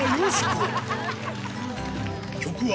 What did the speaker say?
曲は